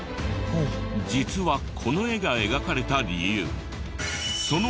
実はこの絵が描かれた理由その